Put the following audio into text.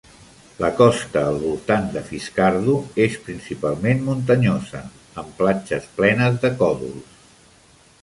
La costa al voltant de Fiskardo és principalment muntanyosa, amb platges plenes de còdols.